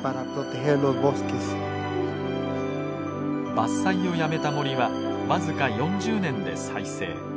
伐採をやめた森は僅か４０年で再生。